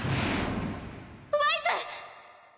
ワイズ！